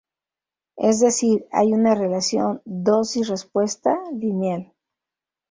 Es decir hay una "relación dosis-respuesta" lineal.